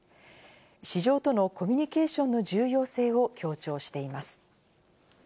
市場とのコミニュケーションの重要性を強調しています。